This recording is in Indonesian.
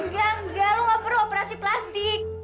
enggak enggak lo gak perlu operasi plastik